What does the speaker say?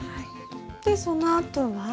でそのあとは？